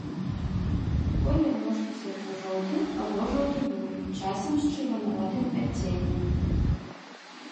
Колер ножкі светла-жоўты, або жоўта-буры, часам з чырванаватым адценнем.